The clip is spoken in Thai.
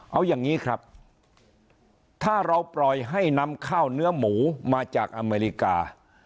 เอาอย่างนี้ครับถ้าเราปล่อยให้นำข้าวเนื้อหมูมาจากอเมริกา